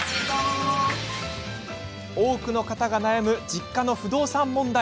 多くの方が悩む実家の不動産問題。